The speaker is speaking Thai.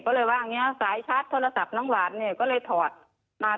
ก็เลยว่าอย่างนี้สายชาร์จโทรศัพท์น้องหวานเนี่ยก็เลยถอดมา